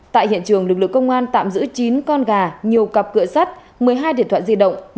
tại hiện trường lực lượng công an tạm giữ chín con gà nhiều cặp cửa sắt một mươi hai điện thoại di động